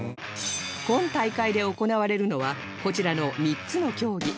今大会で行われるのはこちらの３つの競技